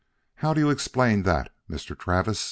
How do you explain that, Mr. Travis?"